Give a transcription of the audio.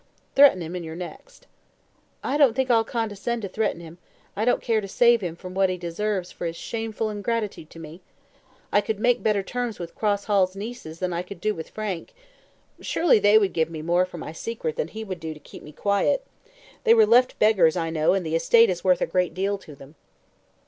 Threaten him in your next." "I don't think I'll condescend to threaten him; I don't care to save him from what he deserves for his shameful ingratitude to me. I could make better terms with Cross Hall's nieces than I could do with Frank. Surely they would give me more for my secret than he would do to keep me quiet. They were left beggars, I know, and the estate is worth a great deal to them."